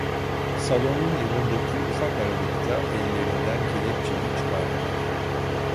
Salonun yanındaki ufak aralıkta ellerinden kelepçeyi çıkardılar.